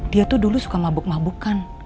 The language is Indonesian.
dia tuh dulu suka mabuk mabukan